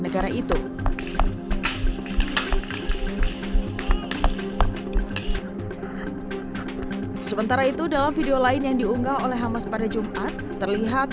negara itu sementara itu dalam video lain yang diunggah oleh hamas pada jumat terlihat